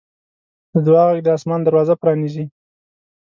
د دعا غږ د اسمان دروازه پرانیزي.